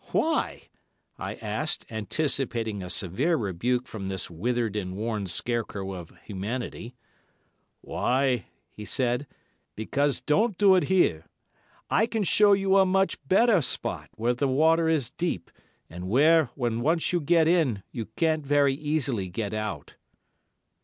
"Why?" I asked, anticipating a severe rebuke from this withered and worn scarecrow of humanity. "Why," he said, "because don't do it here! I can show you a much better spot, where the water is deep, and where, when once you get in, you can't very easily get out."